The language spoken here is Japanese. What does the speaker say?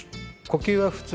呼吸はね。